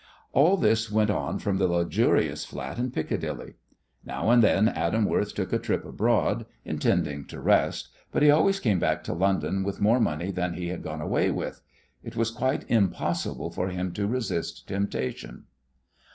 All this went on from that luxurious flat in Piccadilly. Now and then Adam Worth took a trip abroad, intending to rest, but he always came back to London with more money than he had gone away with. It was quite impossible for him to resist temptation.